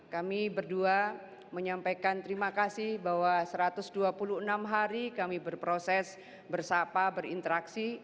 kami berdua menyampaikan terima kasih bahwa satu ratus dua puluh enam hari kami berproses bersapa berinteraksi